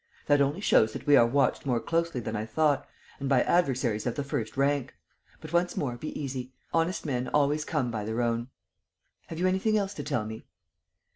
That only shows that we are watched more closely than I thought and by adversaries of the first rank. But, once more, be easy. Honest men always come by their own.... Have you anything else to tell me?"